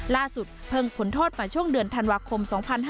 เพิ่งผลโทษมาช่วงเดือนธันวาคม๒๕๕๙